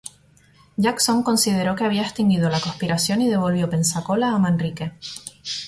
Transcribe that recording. Jackson consideró que había extinguido la conspiración y devolvió Pensacola a Manrique.